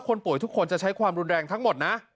คนป่วยทุกคนจะใช้ความรุนแรงทั้งหมดนะ